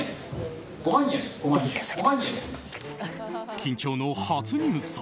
緊張の初入札。